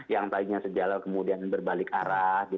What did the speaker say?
yang tadinya sejalan kemudian berbalik arah